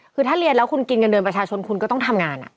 คือถ้าเรียนแล้วคุณกินเงินเดือนประชาชนคุณก็ต้องทำงาน